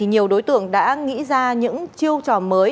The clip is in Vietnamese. nhiều đối tượng đã nghĩ ra những chiêu trò mới